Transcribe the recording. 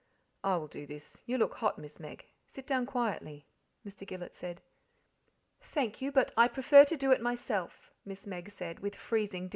"I will do this you look hot, Miss Meg; sit down quietly," Mr. Gillet said. "Thank you, but I prefer to do it myself," Miss Meg said, with freezing dignity.